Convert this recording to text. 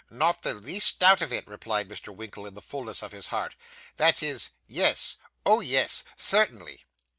'Not the least doubt of it,' replied Mr. Winkle, in the fulness of his heart. 'That is yes oh, yes certainly.